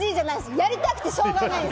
やりたくてしょうがないです！